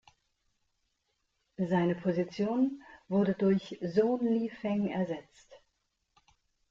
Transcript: Seine Position wurde durch Sohn Li Feng ersetzt.